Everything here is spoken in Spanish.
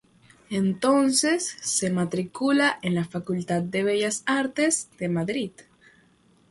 Entonces se matricula en la Facultad de Bellas Artes de Madrid.